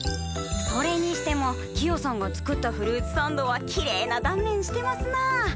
それにしてもキヨさんが作ったフルーツサンドはきれいな断面してますなあ。